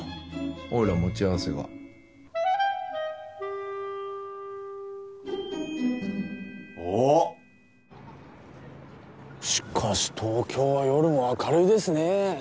おいら持ち合わせがおッしかし東京は夜も明るいですねえ